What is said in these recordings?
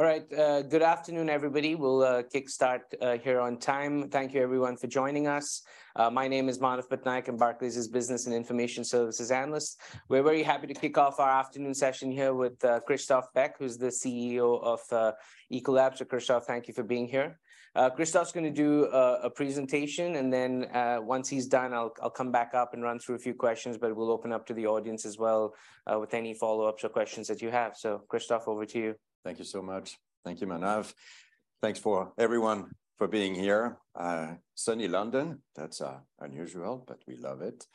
All right. Good afternoon, everybody. We'll kick start here on time. Thank you everyone for joining us. My name is Manav Patnaik, I'm Barclays' Business and Information Services analyst. We're very happy to kick off our afternoon session here with Christophe Beck, who's the CEO of Ecolab. Christophe, thank you for being here. Christophe's gonna do a presentation, and then, once he's done, I'll come back up and run through a few questions, but we'll open up to the audience as well, with any follow-ups or questions that you have. Christophe, over to you. Thank you so much. Thank you, Manav. Thanks for everyone for being here. Sunny London, that's unusual, but we love it.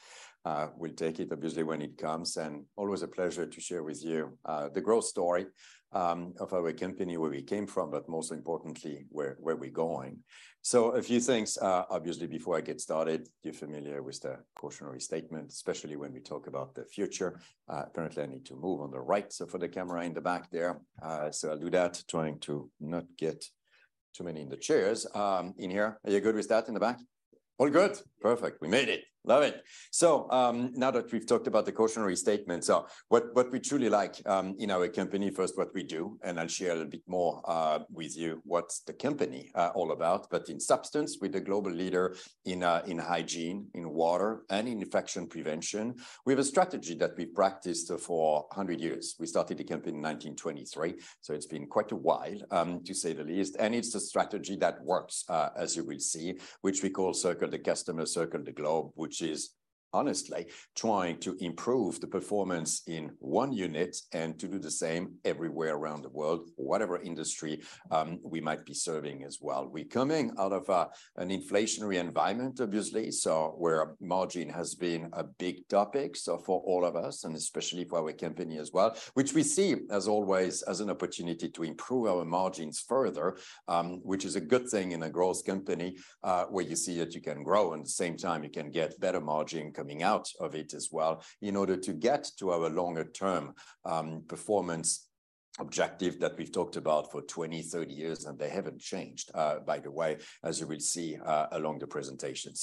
We'll take it obviously when it comes, and always a pleasure to share with you the growth story of our company, where we came from, but most importantly, where we're going. A few things, obviously before I get started, you're familiar with the cautionary statement, especially when we talk about the future. Apparently I need to move on the right, for the camera in the back there. I'll do that, trying to not get too many in the chairs in here. Are you good with that in the back? All good? Perfect. We made it. Love it. Now that we've talked about the cautionary statement. What we truly like, in our company, first what we do, and I'll share a little bit more with you what's the company all about. In substance, we're the global leader in hygiene, in water, and infection prevention. We have a strategy that we practiced for 100 years. We started the company in 1923, so it's been quite a while to say the least. It's a strategy that works, as you will see, which we call Circle the Customer, Circle the Globe, which is honestly trying to improve the performance in one unit and to do the same everywhere around the world, whatever industry we might be serving as well. We're coming out of an inflationary environment, obviously, where margin has been a big topic for all of us, and especially for our company as well, which we see as always as an opportunity to improve our margins further. Which is a good thing in a growth company, where you see that you can grow, and at the same time you can get better margin coming out of it as well, in order to get to our longer term performance objective that we've talked about for 20, 30 years. They haven't changed, by the way, as you will see along the presentation.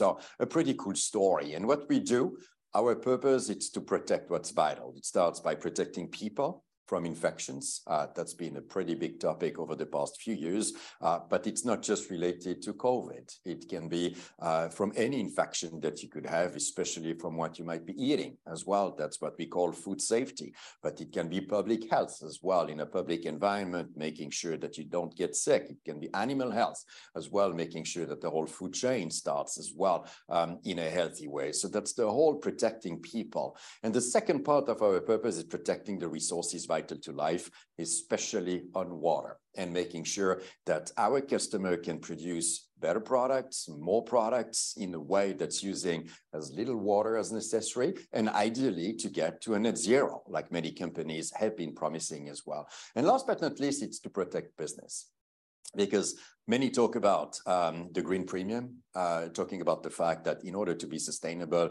A pretty cool story. What we do, our purpose is to protect what's vital. It starts by protecting people from infections. That's been a pretty big topic over the past few years. It's not just related to COVID. It can be from any infection that you could have, especially from what you might be eating as well. That's what we call food safety. It can be public health as well, in a public environment, making sure that you don't get sick. It can be animal health as well, making sure that the whole food chain starts as well, in a healthy way. That's the whole protecting people. The second part of our purpose is protecting the resources vital to life, especially on water. Making sure that our customer can produce better products, more products, in a way that's using as little water as necessary, and ideally to get to a net zero, like many companies have been promising as well. Last but not least, it's to protect business. Many talk about the green premium, talking about the fact that in order to be sustainable,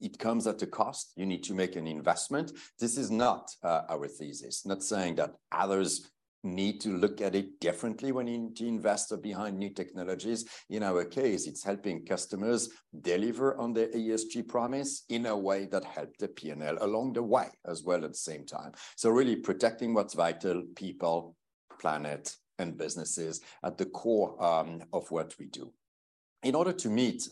it comes at a cost. You need to make an investment. This is not our thesis. Not saying that others need to look at it differently when to invest behind new technologies. In our case, it's helping customers deliver on their ESG promise in a way that help the P&L along the way as well at the same time. Really protecting what's vital, people, planet, and businesses at the core of what we do. In order to meet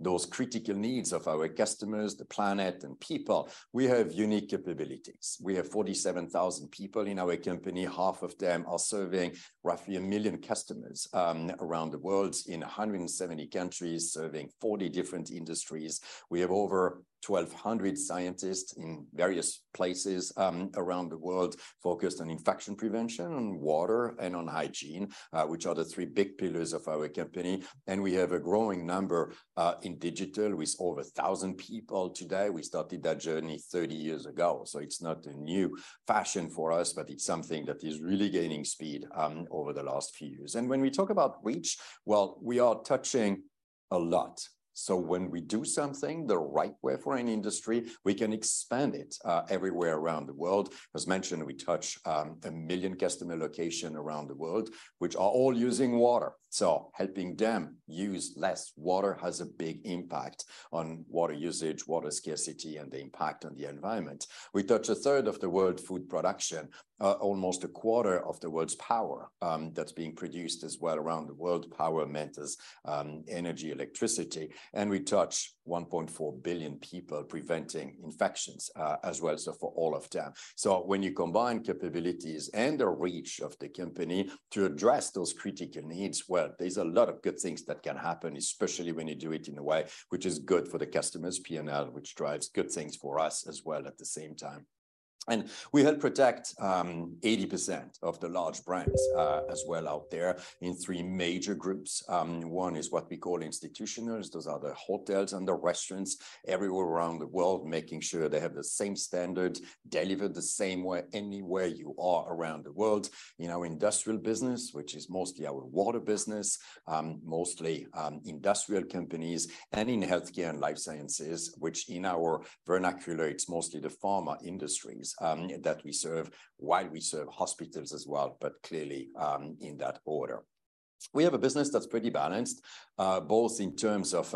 those critical needs of our customers, the planet, and people, we have unique capabilities. We have 47,000 people in our company. Half of them are serving roughly 1 million customers around the world in 170 countries, serving 40 different industries. We have over 1,200 scientists in various places around the world focused on infection prevention, on water, and on hygiene, which are the three big pillars of our company. We have a growing number in digital with over 1,000 people today. We started that journey 30 years ago, so it's not a new fashion for us, but it's something that is really gaining speed over the last few years. When we talk about reach, well, we are touching a lot. When we do something the right way for an industry, we can expand it everywhere around the world. As mentioned, we touch a million customer location around the world, which are all using water. Helping them use less water has a big impact on water usage, water scarcity, and the impact on the environment. We touch a third of the world food production, almost a quarter of the world's power, that's being produced as well around the world. Power meant as, energy, electricity. We touch 1.4 billion people, preventing infections, as well, so for all of them. When you combine capabilities and the reach of the company to address those critical needs, well, there's a lot of good things that can happen, especially when you do it in a way which is good for the customer's P&L, which drives good things for us as well at the same time. We help protect, 80% of the large brands, as well out there in three major groups. One is what we call Institutionals. Those are the hotels and the restaurants everywhere around the world, making sure they have the same standard, delivered the same way anywhere you are around the world. In our industrial business, which is mostly our water business, mostly industrial companies. In healthcare and life sciences, which in our vernacular, it's mostly the pharma industries that we serve, while we serve hospitals as well, but clearly, in that order. We have a business that's pretty balanced, both in terms of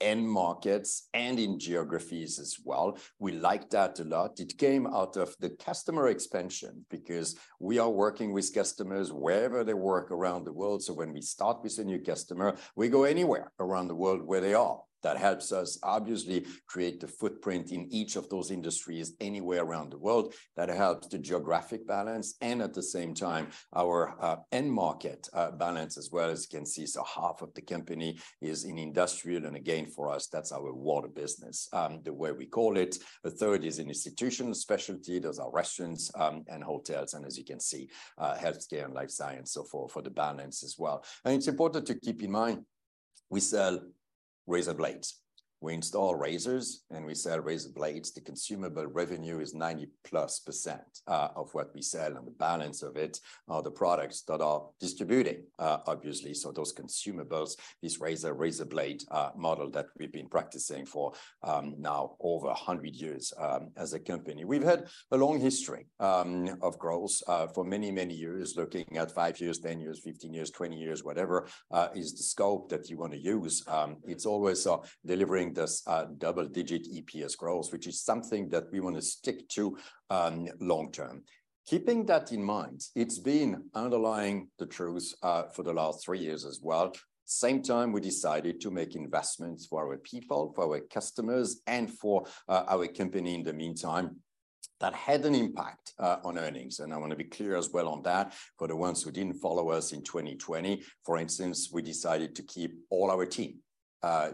end markets and in geographies as well. We like that a lot. It came out of the customer expansion because we are working with customers wherever they work around the world. When we start with a new customer, we go anywhere around the world where they are. That helps us obviously create a footprint in each of those industries anywhere around the world. That helps the geographic balance and at the same time our end market balance as well, as you can see. Half of the company is in industrial, and again, for us, that's our water business, the way we call it. A third is in institutional specialty. Those are restaurants, and hotels and, as you can see, healthcare and life science, for the balance as well. It's important to keep in mind we sell razor blades. We install razors and we sell razor blades. The consumable revenue is 90% plus of what we sell, and the balance of it are the products that are distributing, obviously. Those consumables, this razor blade, model that we've been practicing for, now over 100 years, as a company. We've had a long history of growth for many, many years. Looking at 5 years, 10 years, 15 years, 20 years, whatever is the scope that you wanna use. It's always delivering this double-digit EPS growth, which is something that we wanna stick to long term. Keeping that in mind, it's been underlying the truth for the last 3 years as well. Same time, we decided to make investments for our people, for our customers, and for our company in the meantime. That had an impact on earnings, and I wanna be clear as well on that. For the ones who didn't follow us in 2020, for instance, we decided to keep all our team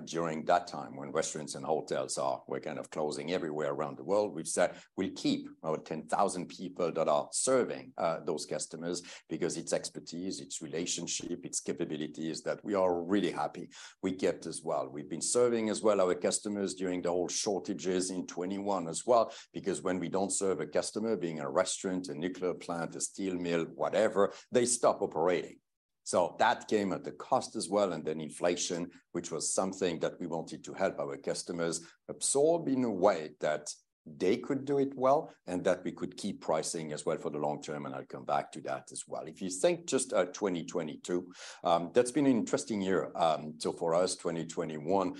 during that time when restaurants and hotels were kind of closing everywhere around the world. We said we'll keep our 10,000 people that are serving those customers because its expertise, its relationship, its capabilities that we are really happy we kept as well. We've been serving as well our customers during the whole shortages in 2021 as well because when we don't serve a customer, being a restaurant, a nuclear plant, a steel mill, whatever, they stop operating. That came at a cost as well, and then inflation, which was something that we wanted to help our customers absorb in a way that they could do it well and that we could keep pricing as well for the long term, and I'll come back to that as well. If you think just 2022, that's been an interesting year. For us, 2021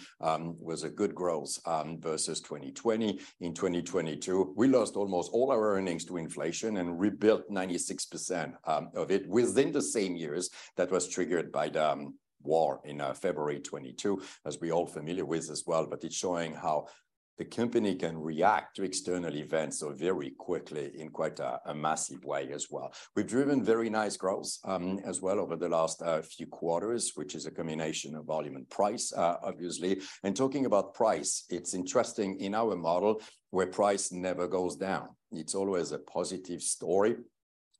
was a good growth versus 2020. In 2022, we lost almost all our earnings to inflation and rebuilt 96% of it within the same years. That was triggered by the war in February 2022, as we're all familiar with as well. It's showing how the company can react to external events so very quickly in quite a massive way as well. We've driven very nice growth as well over the last few quarters, which is a combination of volume and price, obviously. Talking about price, it's interesting in our model where price never goes down. It's always a positive story.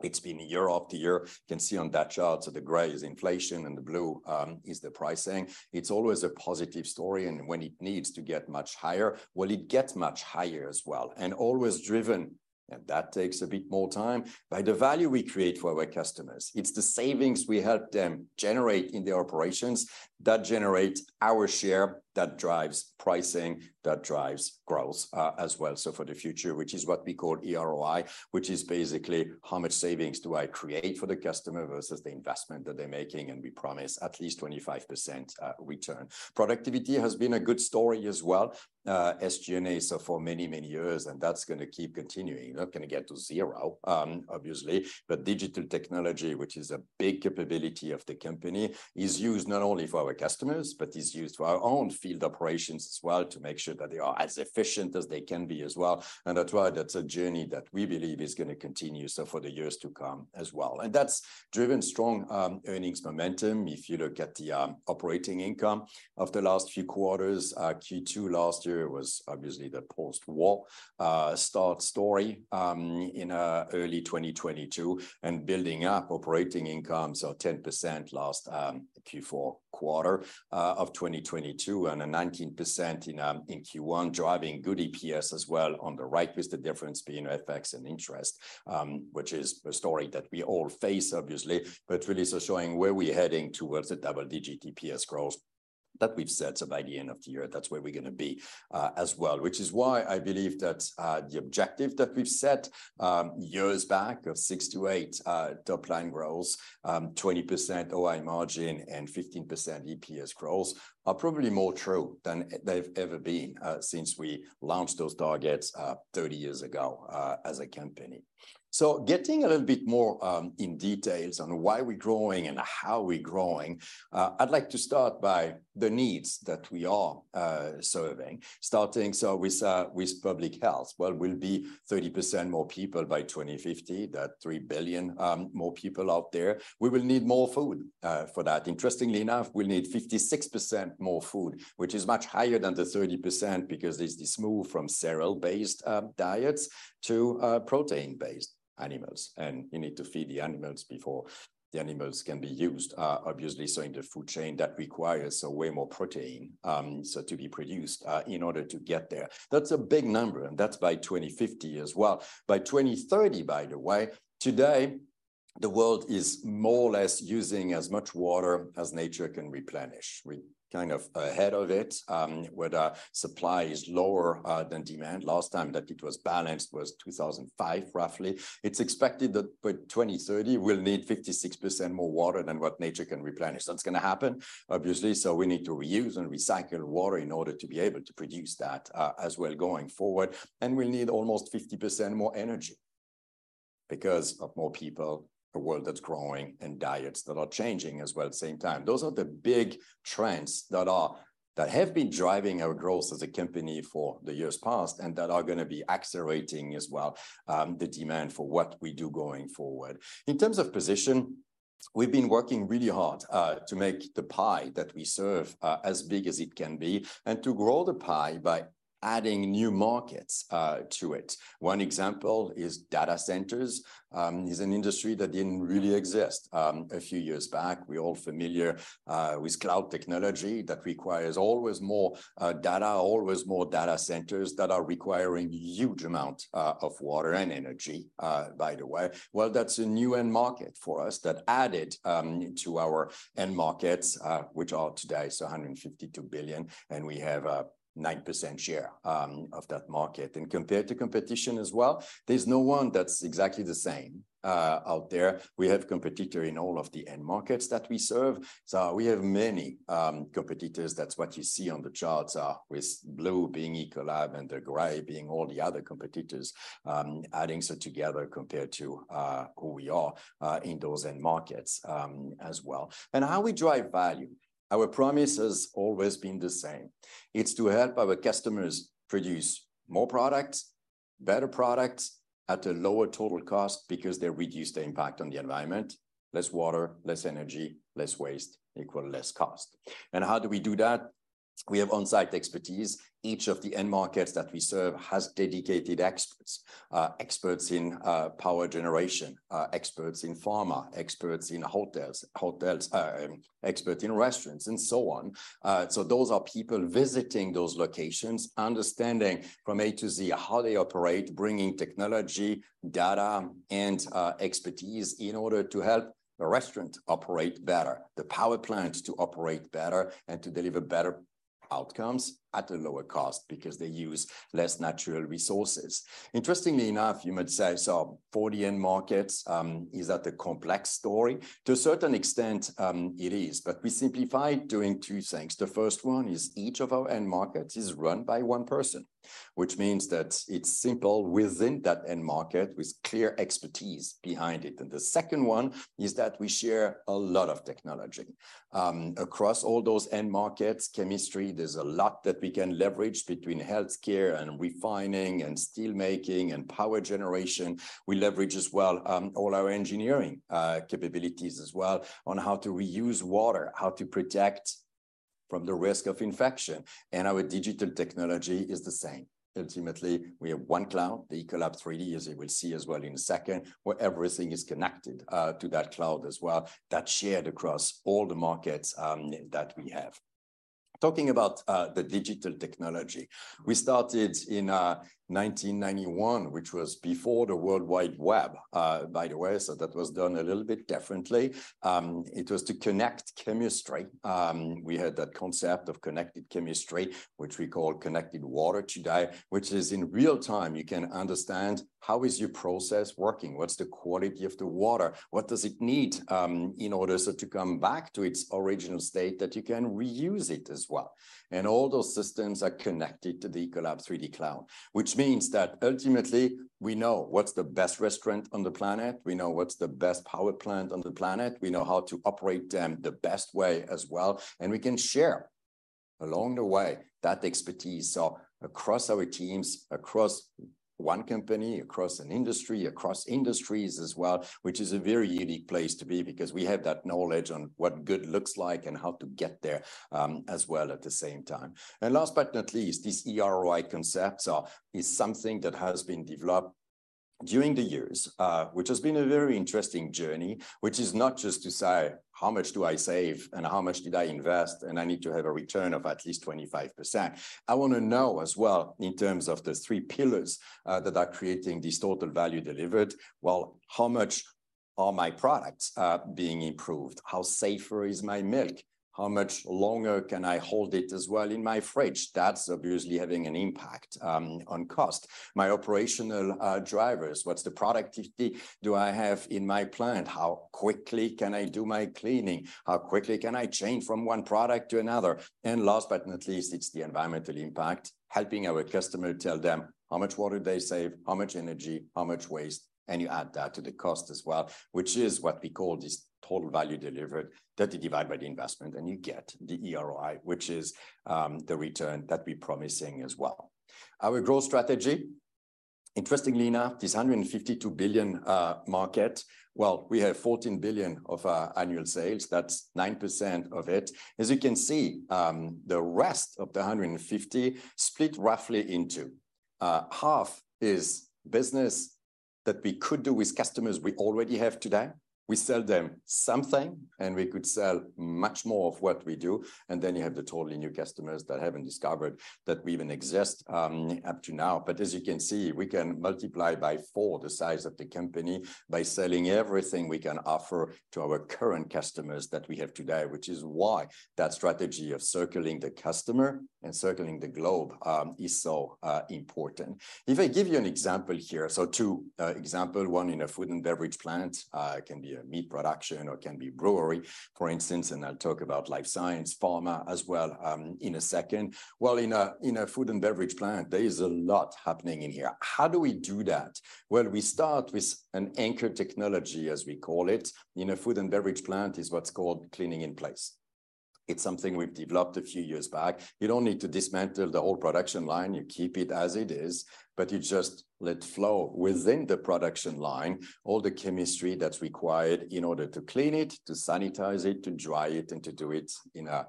It's been year after year. You can see on that chart, so the gray is inflation and the blue is the pricing. It's always a positive story, and when it needs to get much higher, well, it gets much higher as well, and always driven, and that takes a bit more time, by the value we create for our customers. It's the savings we help them generate in their operations that generate our share, that drives pricing, that drives growth, as well, so for the future, which is what we call EROI, which is basically how much savings do I create for the customer versus the investment that they're making, and we promise at least 25% return. Productivity has been a good story as well. SG&A, so for many, many years, and that's gonna keep continuing. Not gonna get to zero, obviously. Digital technology, which is a big capability of the company, is used not only for our customers but is used for our own field operations as well to make sure that they are as efficient as they can be as well. That's why that's a journey that we believe is gonna continue, so for the years to come as well. That's driven strong earnings momentum. If you look at the operating income of the last few quarters, Q2 last year was obviously the post-war start story in early 2022, and building up operating income, so 10% last Q4 quarter of 2022 and a 19% in Q1, driving good EPS as well on the right with the difference being FX and interest, which is a story that we all face obviously, but really so showing where we're heading towards the double-digit EPS growth that we've set. By the end of the year, that's where we're gonna be as well, which is why I believe that the objective that we've set years back of 6%-8% top line growth, 20% OI margin, and 15% EPS growth are probably more true than they've ever been since we launched those targets 30 years ago as a company. Getting a little bit more in details on why we're growing and how we're growing, I'd like to start by the needs that we are serving, starting so with public health. Well, we'll be 30% more people by 2050. That's 3 billion more people out there. We will need more food for that. Interestingly enough, we'll need 56% more food, which is much higher than the 30% because there's this move from cereal-based diets to protein-based animals. You need to feed the animals before the animals can be used, obviously. In the food chain, that requires way more protein to be produced in order to get there. That's a big number. That's by 2050 as well. By 2030, by the way, today, the world is more or less using as much water as nature can replenish. We're kind of ahead of it, where the supply is lower than demand. Last time that it was balanced was 2005 roughly. It's expected that by 2030 we'll need 56% more water than what nature can replenish. That's gonna happen, obviously, so we need to reuse and recycle water in order to be able to produce that, as we're going forward. We'll need almost 50% more energy because of more people, a world that's growing, and diets that are changing as well at the same time. Those are the big trends that have been driving our growth as a company for the years past and that are gonna be accelerating as well, the demand for what we do going forward. In terms of position, we've been working really hard to make the pie that we serve as big as it can be and to grow the pie by adding new markets to it. One example is data centers, is an industry that didn't really exist a few years back. We're all familiar with cloud technology that requires always more data, always more data centers that are requiring huge amount of water and energy, by the way. That's a new end market for us that added to our end markets, which are today is $152 billion, and we have a 9% share of that market. Compared to competition as well, there's no one that's exactly the same out there. We have competitor in all of the end markets that we serve. We have many competitors. That's what you see on the charts with blue being Ecolab and the gray being all the other competitors, adding so together compared to who we are in those end markets as well. How we drive value, our promise has always been the same. It's to help our customers produce more products, better products at a lower total cost because they reduce the impact on the environment. Less water, less energy, less waste equal less cost. How do we do that? We have on-site expertise. Each of the end markets that we serve has dedicated experts. Experts in power generation, experts in pharma, experts in hotels, experts in restaurants, and so on. Those are people visiting those locations, understanding from A to Z how they operate, bringing technology, data, and expertise in order to help the restaurant operate better. The power plant to operate better and to deliver better outcomes at a lower cost because they use less natural resources. Interestingly enough, you might say, "40 end markets, is that a complex story?" To a certain extent, it is, but we simplify it doing two things. The first one is each of our end markets is run by one person, which means that it's simple within that end market with clear expertise behind it. The second one is that we share a lot of technology across all those end markets. Chemistry, there's a lot that we can leverage between healthcare and refining and steel making and power generation. We leverage as well, all our engineering capabilities as well on how to reuse water, how to protect from the risk of infection. Our digital technology is the same. Ultimately, we have one cloud, the Ecolab3D as you will see as well in a second, where everything is connected to that cloud as well. That's shared across all the markets that we have. Talking about the digital technology, we started in 1991, which was before the World Wide Web, by the way, that was done a little bit differently. It was to connect chemistry. We had that concept of connected chemistry, which we call Connected Water today, which is in real time you can understand how is your process working? What's the quality of the water? What does it need in order so to come back to its original state that you can reuse it as well? All those systems are connected to the Ecolab3D cloud. Which means that ultimately we know what's the best restaurant on the planet. We know what's the best power plant on the planet. We know how to operate them the best way as well, and we can share along the way that expertise. Across our teams, across one company, across an industry, across industries as well, which is a very unique place to be because we have that knowledge on what good looks like and how to get there, as well at the same time. Last but not least, this EROI concept, so is something that has been developed during the years, which has been a very interesting journey. Which is not just to say, "How much do I save, and how much did I invest? I need to have a return of at least 25%. I wanna know as well in terms of the three pillars that are creating this Total Value Delivered. How much are my products being improved? How safer is my milk? How much longer can I hold it as well in my fridge? That's obviously having an impact on cost. My operational drivers, what's the productivity do I have in my plant? How quickly can I do my cleaning? How quickly can I change from one product to another? Last but not least, it's the environmental impact, helping our customer tell them how much water they save, how much energy, how much waste, and you add that to the cost as well, which is what we call this Total Value Delivered. That you divide by the investment, and you get the EROI, which is the return that we're promising as well. Our growth strategy, interestingly enough, this $152 billion market, well, we have $14 billion of annual sales. That's 9% of it. As you can see, the rest of the $150 billion split roughly into half is business that we could do with customers we already have today. We sell them something, and we could sell much more of what we do, and then you have the totally new customers that haven't discovered that we even exist up to now. As you can see, we can multiply by 4 the size of the company by selling everything we can offer to our current customers that we have today, which is why that strategy of Circle the Customer, Circle the Globe is so important. If I give you an example here, 2 example. One in a food and beverage plant, can be a meat production or can be brewery, for instance, and I'll talk about life science, pharma as well in a second. Well, in a food and beverage plant, there is a lot happening in here. How do we do that? Well, we start with an anchor technology, as we call it. In a food and beverage plant is what's called clean-in-place. It's something we've developed a few years back. You don't need to dismantle the whole production line. You keep it as it is, but you just let flow within the production line all the chemistry that's required in order to clean it, to sanitize it, to dry it, and to do it in a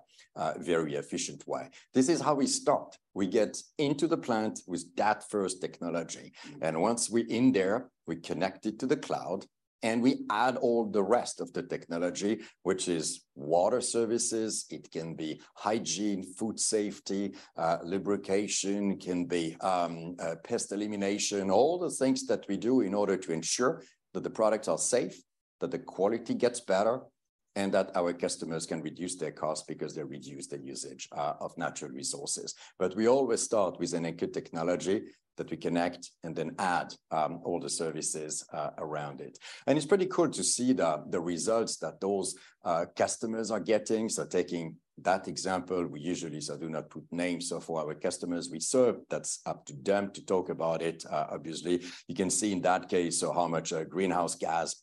very efficient way. This is how we start. We get into the plant with that first technology. Once we're in there, we connect it to the cloud, and we add all the rest of the technology, which is water services. It can be hygiene, food safety, lubrication. It can be pest elimination. All the things that we do in order to ensure that the products are safe, that the quality gets better, and that our customers can reduce their costs because they reduce their usage of natural resources. We always start with an anchor technology that we connect and then add all the services around it. It's pretty cool to see the results that those customers are getting. Taking that example, we usually say do not put names for our customers we serve. That's up to them to talk about it, obviously. You can see in that case so how much greenhouse gas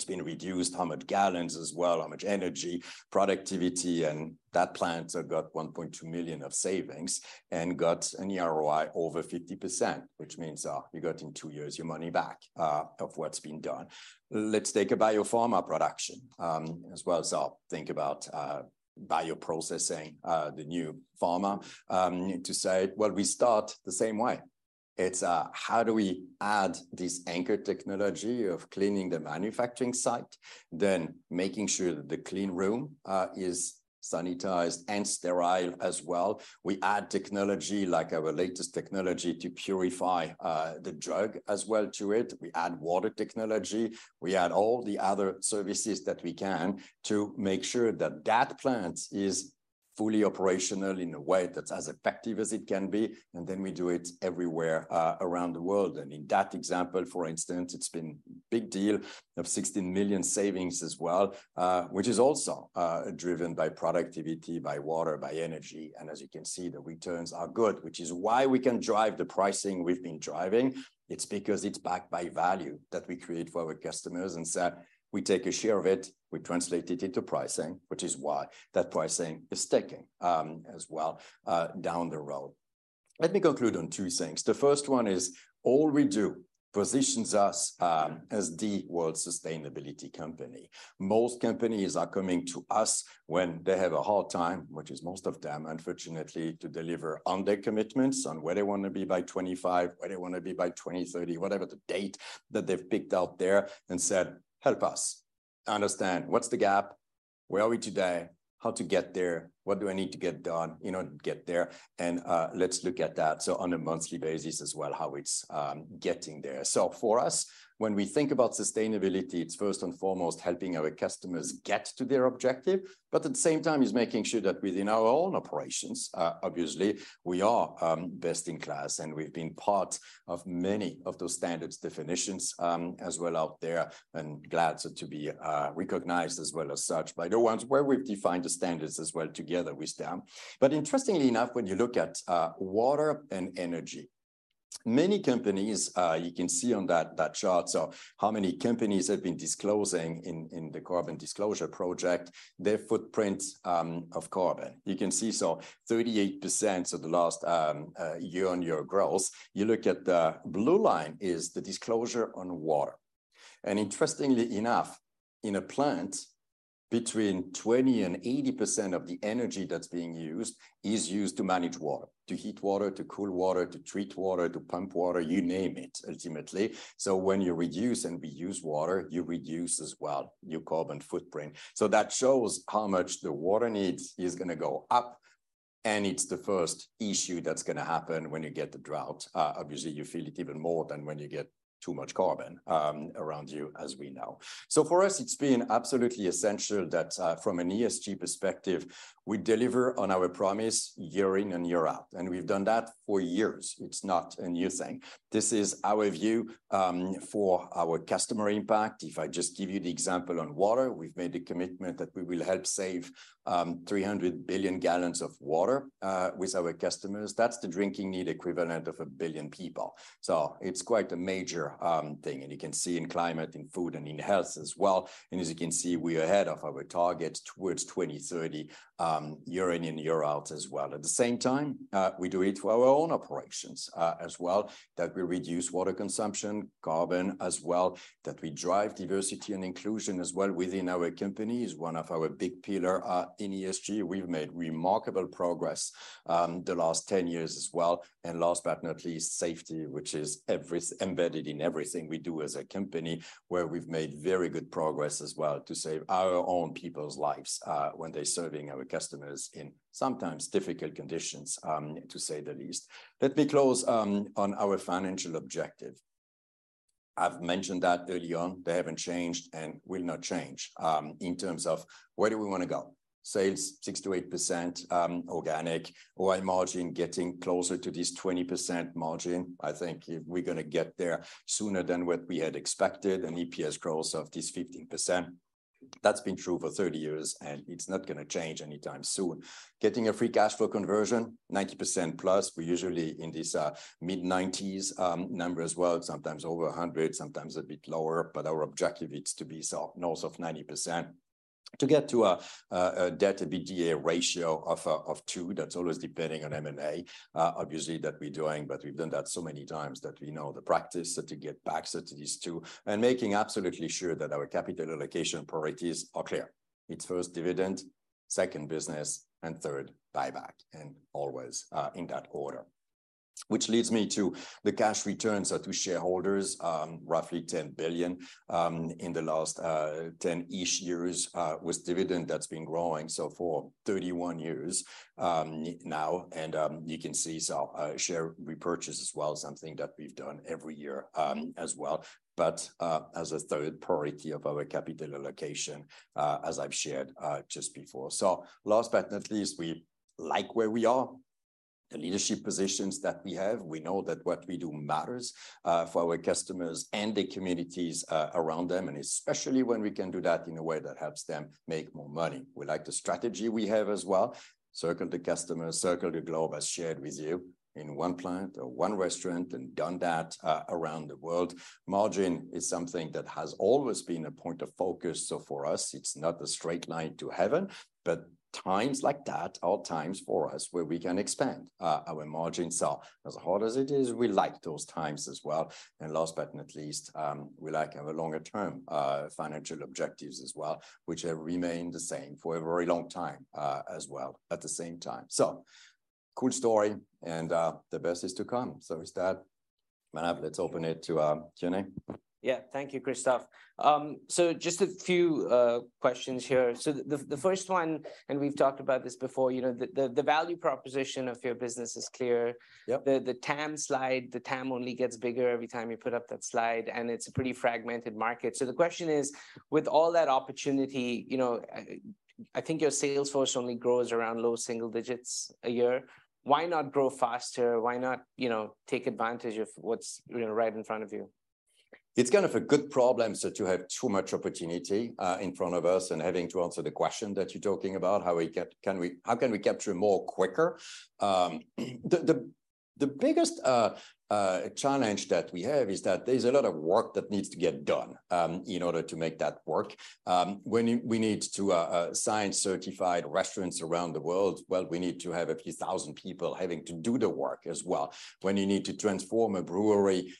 has been reduced, how much gallons as well, how much energy, productivity. That plant have got $1.2 million of savings and got an ROI over 50%, which means you got in 2 years your money back of what's been done. Let's take a biopharma production as well. Think about bioprocessing, the new pharma to say, well, we start the same way. It's how do we add this anchor technology of cleaning the manufacturing site, then making sure that the clean room is sanitized and sterile as well. We add technology like our latest technology to purify the drug as well to it. We add water technology. We add all the other services that we can to make sure that that plant is fully operational in a way that's as effective as it can be, then we do it everywhere around the world. In that example, for instance, it's been big deal of $16 million savings as well, which is also driven by productivity, by water, by energy. As you can see, the returns are good, which is why we can drive the pricing we've been driving. It's because it's backed by value that we create for our customers. We take a share of it. We translate it into pricing, which is why that pricing is sticking as well down the road. Let me conclude on two things. The first one is all we do positions us as the world sustainability company. Most companies are coming to us when they have a hard time, which is most of them, unfortunately, to deliver on their commitments on where they wanna be by 2025, where they wanna be by 2030, whatever the date that they've picked out there, and said, "Help us understand what's the gap, where are we today, how to get there, what do I need to get done, you know, to get there, and let's look at that," on a monthly basis as well, how it's getting there. For us, when we think about sustainability, it's first and foremost helping our customers get to their objective, but at the same time is making sure that within our own operations, obviously, we are best in class, and we've been part of many of those standards definitions as well out there and glad so to be recognized as well as such by the ones where we've defined the standards as well together with them. Interestingly enough, when you look at water and energy, many companies, you can see on that chart, so how many companies have been disclosing in the Carbon Disclosure Project their footprint of carbon. You can see, 38%, the last year-on-year growth. You look at the blue line is the disclosure on water. Interestingly enough, in a plant, between 20%-80% of the energy that's being used is used to manage water, to heat water, to cool water, to treat water, to pump water, you name it, ultimately. When you reduce and reuse water, you reduce as well your carbon footprint. That shows how much the water needs is gonna go up, and it's the first issue that's gonna happen when you get the drought. Obviously, you feel it even more than when you get too much carbon around you, as we know. For us, it's been absolutely essential that from an ESG perspective, we deliver on our promise year in and year out, and we've done that for years. It's not a new thing. This is our view for our customer impact. I just give you the example on water, we've made a commitment that we will help save 300 billion gallons of water with our customers. That's the drinking need equivalent of 1 billion people. It's quite a major thing, and you can see in climate, in food, and in health as well. As you can see, we're ahead of our target towards 2030 year in and year out as well. At the same time, we do it to our own operations as well, that we reduce water consumption, carbon as well, that we drive diversity and inclusion as well within our company is one of our big pillar in ESG. We've made remarkable progress the last 10 years as well. Last but not least, safety, which is embedded in everything we do as a company, where we've made very good progress as well to save our own people's lives, when they're serving our customers in sometimes difficult conditions, to say the least. Let me close on our financial objective. I've mentioned that early on. They haven't changed and will not change. In terms of where do we want to go? Sales, 6%-8% organic. OI margin, getting closer to this 20% margin. I think if we're gonna get there sooner than what we had expected, an EPS growth of this 15%. That's been true for 30 years, and it's not gonna change anytime soon. Getting a free cash flow conversion, 90% plus. We usually in this mid-90s number as well, sometimes over 100, sometimes a bit lower, but our objective is to be so north of 90%. To get to a debt-EBITDA ratio of 2, that's always depending on M&A, obviously that we're doing, but we've done that so many times that we know the practice, to get back to these 2. Making absolutely sure that our capital allocation priorities are clear. It's first dividend, second business, and third, buyback, and always in that order. Which leads me to the cash returns to shareholders, roughly $10 billion in the last 10-ish years, with dividend that's been growing for 31 years now. You can see share repurchase as well, something that we've done every year as well. As a third priority of our capital allocation, as I've shared just before. Last but not least, we like where we are. The leadership positions that we have. We know that what we do matters for our customers and the communities around them, and especially when we can do that in a way that helps them make more money. We like the strategy we have as well. Circle the Customer, Circle the Globe, as shared with you in one plant or one restaurant, and done that around the world. Margin is something that has always been a point of focus. For us it's not a straight line to heaven. Times like that are times for us where we can expand our margins. As hard as it is, we like those times as well. Last but not least, we like our longer term financial objectives as well, which have remained the same for a very long time, as well, at the same time. Cool story, and the best is to come. With that, Manav, let's open it to Q&A. Yeah. Thank you, Christophe. Just a few questions here. The first one, we've talked about this before, you know, the value proposition of your business is clear. Yep. The TAM slide, the TAM only gets bigger every time you put up that slide, and it's a pretty fragmented market. The question is, with all that opportunity, you know, I think your sales force only grows around low single digits a year. Why not grow faster? Why not, you know, take advantage of what's, you know, right in front of you? It's kind of a good problem, so to have too much opportunity in front of us and having to answer the question that you're talking about, how can we capture more quicker? The biggest challenge that we have is that there's a lot of work that needs to get done in order to make that work. When we need to sign certified restaurants around the world, well, we need to have a few thousand people having to do the work as well. When you need to transform a brewery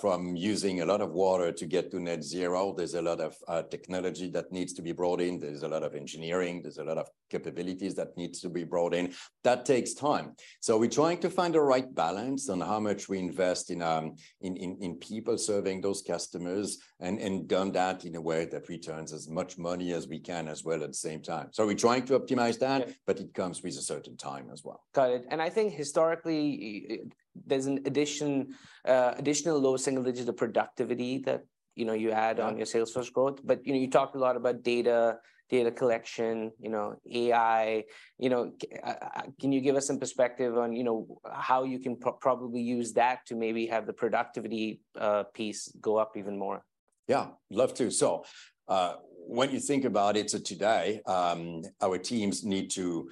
from using a lot of water to get to net zero, there's a lot of technology that needs to be brought in. There's a lot of engineering. There's a lot of capabilities that needs to be brought in. That takes time. we're trying to find the right balance on how much we invest in people serving those customers and done that in a way that returns as much money as we can as well at the same time. we're trying to optimize that. Yeah. It comes with a certain time as well. Got it. I think historically, there's an addition, additional low single digits of productivity that, you know, you had on your sales force growth. You know, you talked a lot about data collection, you know, AI. You know, can you give us some perspective on, you know, how you can probably use that to maybe have the productivity, piece go up even more? Love to. When you think about it, today, our teams need to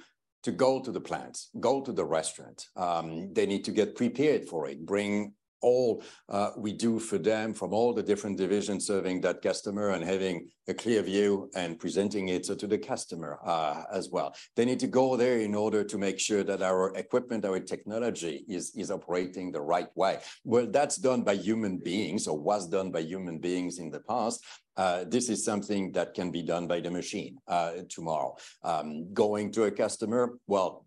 go to the plants, go to the restaurant. They need to get prepared for it, bring all we do for them from all the different divisions serving that customer and having a clear view and presenting it to the customer as well. They need to go there in order to make sure that our equipment, our technology is operating the right way. That's done by human beings or was done by human beings in the past. This is something that can be done by the machine tomorrow. Going to a customer,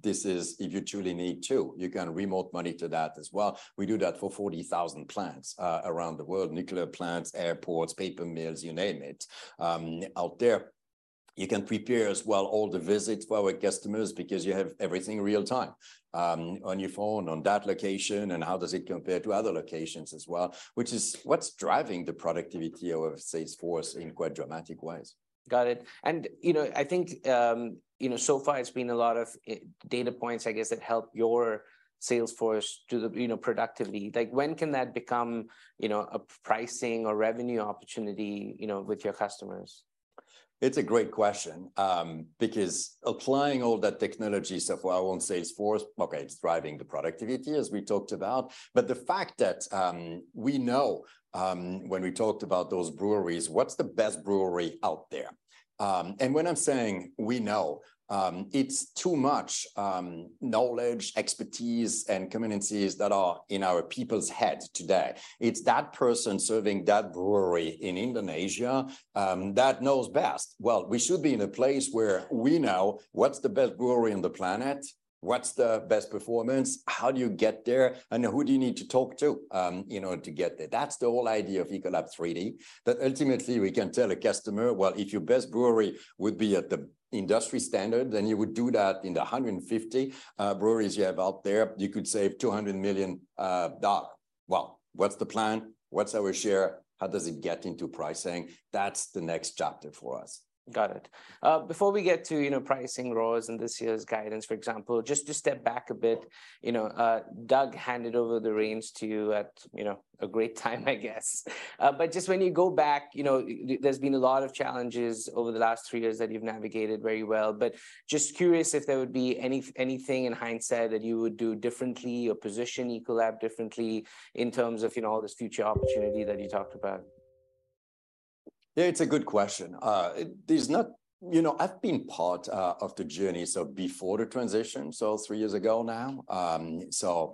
this is if you truly need to. You can remote monitor that as well. We do that for 40,000 plants around the world. Nuclear plants, airports, paper mills, you name it, out there. You can prepare as well all the visits for our customers because you have everything real time, on your phone, on that location, and how does it compare to other locations as well, which is what's driving the productivity of our sales force in quite dramatic ways. Got it. You know, I think, you know, so far it's been a lot of data points I guess that help your sales force do the, you know, productively. Like, when can that become, you know, a pricing or revenue opportunity, you know, with your customers? It's a great question, because applying all that technology stuff, well, on sales force, okay, it's driving the productivity as we talked about. The fact that we know, when we talked about those breweries, what's the best brewery out there? When I'm saying we know, it's too much knowledge, expertise, and competencies that are in our people's head today. It's that person serving that brewery in Indonesia, that knows best. We should be in a place where we know what's the best brewery on the planet, what's the best performance, how do you get there, and who do you need to talk to, you know, to get there? That's the whole idea of ECOLAB3D. That ultimately we can tell a customer, "Well, if your best brewery would be at the industry standard, then you would do that in the 150 breweries you have out there. You could save $200 million." Well, what's the plan? What's our share? How does it get into pricing? That's the next chapter for us. Got it. before we get to, you know, pricing roles in this year's guidance, for example, just step back a bit. You know, Doug handed over the reins to you at, you know, a great time, I guess. Just when you go back, you know, there's been a lot of challenges over the last three years that you've navigated very well, but just curious if there would be anything in hindsight that you would do differently or position Ecolab differently in terms of, you know, all this future opportunity that you talked about? Yeah, it's a good question. You know, I've been part of the journey, so before the transition, so three years ago now.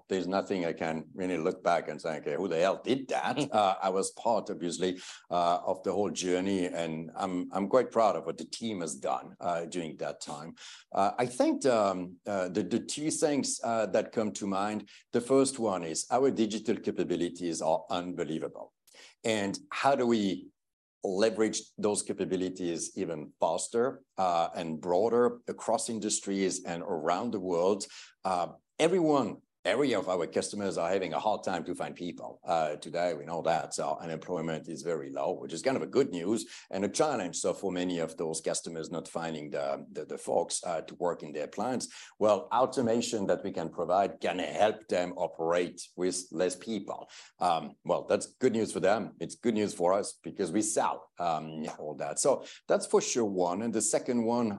There's nothing I can really look back and think, "Who the hell did that?" I was part obviously of the whole journey, and I'm quite proud of what the team has done during that time. I think the two things that come to mind, the first one is our digital capabilities are unbelievable, and how do we leverage those capabilities even faster and broader across industries and around the world? Everyone, every of our customers are having a hard time to find people today. We know that. Unemployment is very low, which is kind of a good news and a challenge, for many of those customers not finding the folks to work in their plants. Automation that we can provide can help them operate with less people. That's good news for them. It's good news for us because we sell all that. That's for sure one. The second one,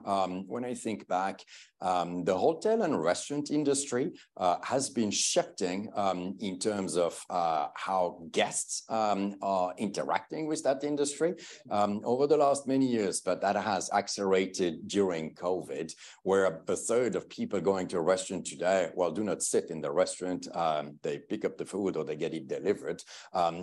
when I think back, the hotel and restaurant industry has been shifting in terms of how guests are interacting with that industry over the last many years. That has accelerated during COVID, where a third of people going to a restaurant today do not sit in the restaurant. They pick up the food or they get it delivered.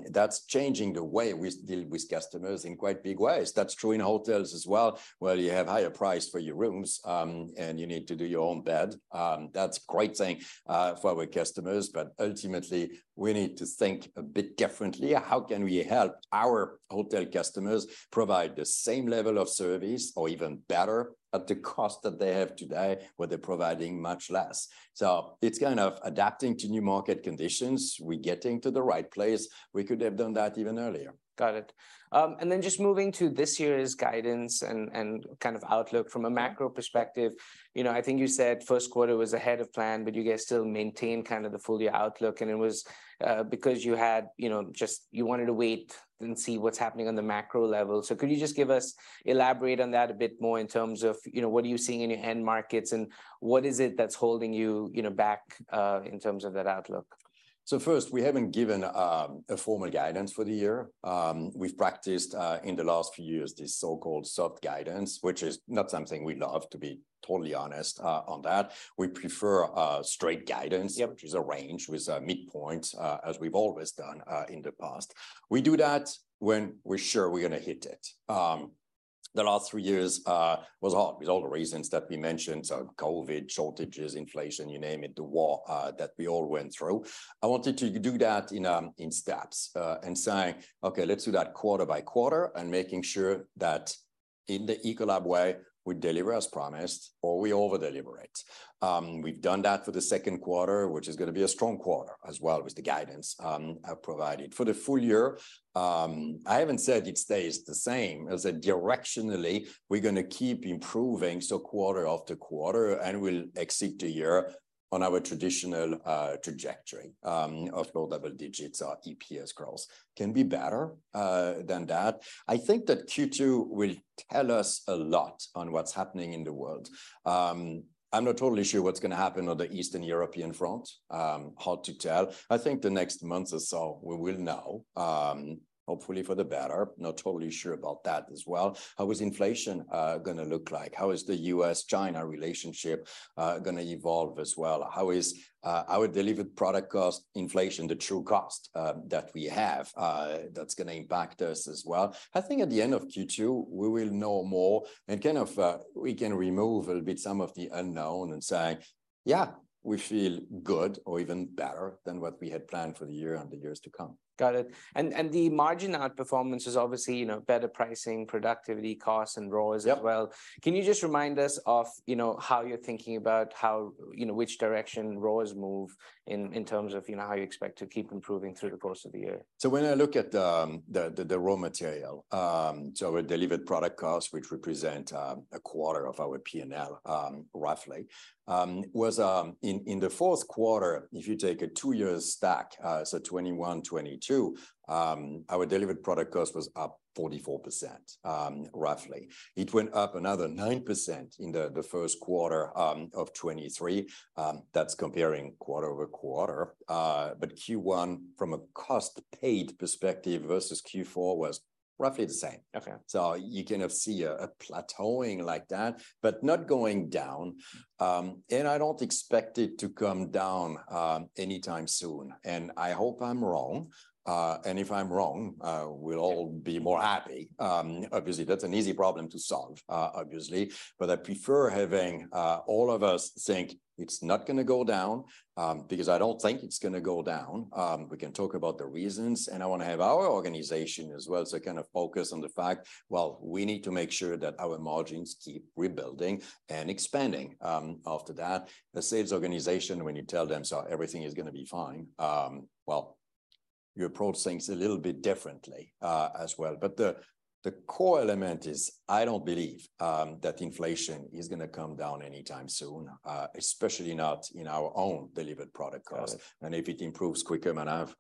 That's changing the way we deal with customers in quite big ways. That's true in hotels as well, where you have higher price for your rooms, and you need to do your own bed. That's great thing for our customers, but ultimately we need to think a bit differently. How can we help our hotel customers provide the same level of service or even better at the cost that they have today where they're providing much less? It's kind of adapting to new market conditions. We're getting to the right place. We could have done that even earlier. Got it. Then just moving to this year's guidance and kind of outlook from a macro perspective. You know, I think you said Q1 was ahead of plan, but you guys still maintained kind of the full year outlook, and it was because you had, you know, just you wanted to wait and see what's happening on the macro level. Could you just give us, elaborate on that a bit more in terms of, you know, what are you seeing in your end markets, and what is it that's holding you know, back, in terms of that outlook? First, we haven't given a formal guidance for the year. We've practiced in the last few years this so-called soft guidance, which is not something we love, to be totally honest, on that. We prefer straight guidance. Yep Which is a range with mid points, as we've always done in the past. We do that when we're sure we're gonna hit it. The last 3 years was hard with all the reasons that we mentioned, so COVID, shortages, inflation, you name it, the war that we all went through. I wanted to do that in steps and saying, "Okay, let's do that quarter by quarter," and making sure that in the Ecolab way, we deliver as promised or we over-deliver it. We've done that for the Q2, which is gonna be a strong quarter as well with the guidance I've provided. For the full year, I haven't said it stays the same. As a directionally, we're gonna keep improving, quarter after quarter, we'll exit the year on our traditional trajectory of low double digits or EPS growth. Can be better than that. I think that Q2 will tell us a lot on what's happening in the world. I'm not totally sure what's gonna happen on the Eastern European front. Hard to tell. I think the next months or so we will know, hopefully for the better. Not totally sure about that as well. How is inflation gonna look like? How is the US-China relationship gonna evolve as well? How is our delivered product costs inflation, the true cost that we have, that's gonna impact us as well? I think at the end of Q2 we will know more and kind of, we can remove a little bit some of the unknown and say, "Yeah, we feel good or even better than what we had planned for the year and the years to come. Got it. The margin outperformance is obviously, you know, better pricing, productivity, costs, and roles as well. Yep. Can you just remind us of, you know, how you're thinking about how, you know, which direction roles move in terms of, you know, how you expect to keep improving through the course of the year? When I look at the raw material, our delivered product costs, which represent a quarter of our P&L, roughly, was in the Q4, if you take a 2-year stack, 2021, 2022, our delivered product costs was up 44%, roughly. It went up another 9% in the Q1 of 2023. That's comparing quarter-over-quarter. Q1, from a cost paid perspective versus Q4, was roughly the same. Okay. You kind of see a plateauing like that, but not going down. I don't expect it to come down, anytime soon, and I hope I'm wrong. If I'm wrong, we'll all be more happy. Obviously that's an easy problem to solve, obviously, but I prefer having, all of us think it's not gonna go down, because I don't think it's gonna go down. We can talk about the reasons, and I wanna have our organization as well to kind of focus on the fact, well, we need to make sure that our margins keep rebuilding and expanding, after that. The sales organization, when you tell them, "So everything is gonna be fine," You approach things a little bit differently, as well. The core element is I don't believe that inflation is gonna come down any time soon, especially not in our own delivered product costs. Got it. If it improves quicker than I have.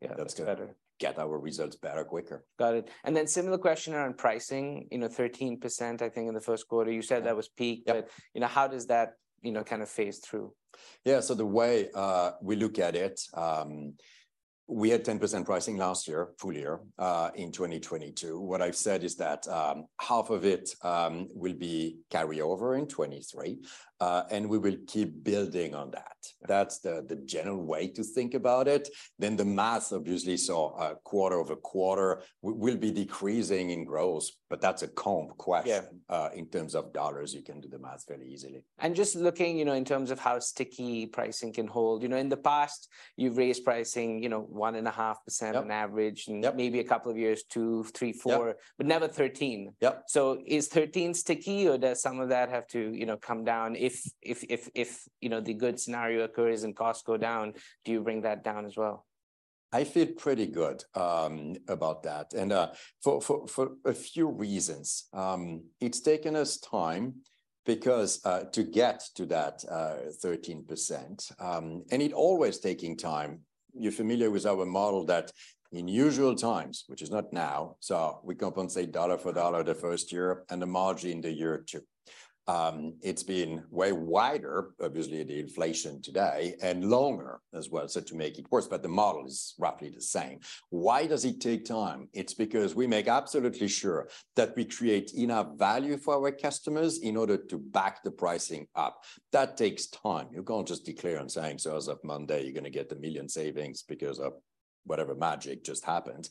Yeah, that's better. That's gonna get our results better quicker. Got it. Similar question around pricing. You know, 13%, I think, in the Q1. You said that was peak. Yeah. You know, how does that, you know, kind of phase through? The way we look at it, we had 10% pricing last year, full year, in 2022. What I've said is that half of it will be carryover in 2023, and we will keep building on that. That's the general way to think about it. The math obviously saw a quarter-over-quarter we'll be decreasing in gross, but that's a comb question. Yeah. In terms of dollars, you can do the math very easily. Just looking, you know, in terms of how sticky pricing can hold. You know, in the past, you've raised pricing, you know, 1.5% on average. Yep. Yep. Maybe a couple of years, 2, 3, 4. Yep. Never 13. Yep. Is 13 sticky, or does some of that have to, you know, come down? If, you know, the good scenario occurs and costs go down, do you bring that down as well? I feel pretty good about that for a few reasons. It's taken us time because to get to that 13%, and it always taking time. You're familiar with our model that in usual times, which is not now, we compensate dollar for dollar the first year and the margin the year two. It's been way wider, obviously the inflation today, and longer as well, to make it worse, the model is roughly the same. Why does it take time? It's because we make absolutely sure that we create enough value for our customers in order to back the pricing up. That takes time. You can't just declare and saying, "So as of Monday you're gonna get a million savings because of whatever magic just happened."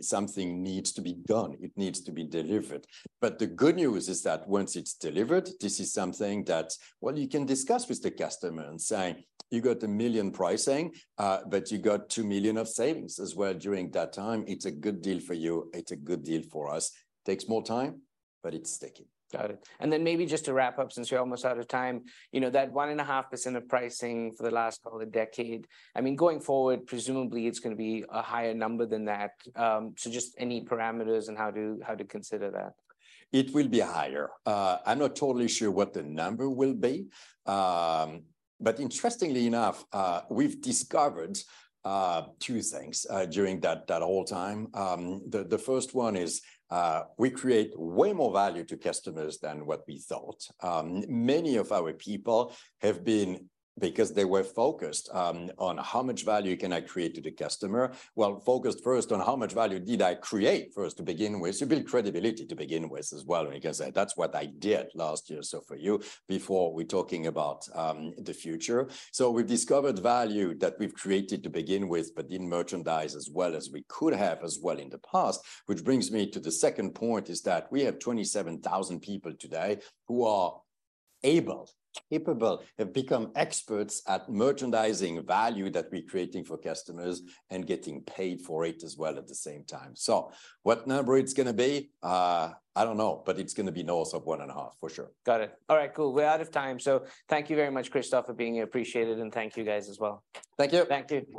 Something needs to be done. It needs to be delivered. The good news is that once it's delivered, this is something that, well, you can discuss with the customer and saying, "You got $1 million pricing, but you got $2 million of savings as well during that time. It's a good deal for you. It's a good deal for us." Takes more time, but it's sticking. Got it. Maybe just to wrap up since we're almost out of time, you know, that 1.5% of pricing for the last, call it, decade, I mean, going forward presumably it's gonna be a higher number than that. Just any parameters on how to consider that? It will be higher. I'm not totally sure what the number will be. Interestingly enough, we've discovered two things during that whole time. The first one is, we create way more value to customers than what we thought. Because they were focused on how much value can I create to the customer, well, focused first on how much value did I create for us to begin with to build credibility to begin with as well, because that's what I did last year. For you, before we're talking about, the future. We've discovered value that we've created to begin with but didn't merchandise as well as we could have, as well, in the past. Which brings me to the second point, is that we have 27,000 people today who are able, capable, have become experts at merchandising value that we're creating for customers, and getting paid for it as well at the same time. What number it's gonna be, I don't know, but it's gonna be north of 1.5% for sure. Got it. All right. Cool. We're out of time, so thank you very much, Christophe, for being here. Appreciate it, and thank you guys as well. Thank you. Thank you.